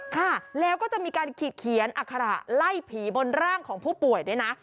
ค่ะแล้วก็จะมีการขีดเขียนอัคระไล่ผีบนร่างของผู้ป่วยด้วยนะ